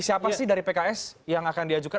siapa sih dari pks yang akan diajukan